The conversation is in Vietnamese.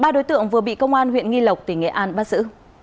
ba đối tượng vừa bị công an huyện nghi lộc tỉnh nghệ an bắt giữ